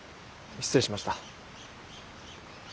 失礼しました。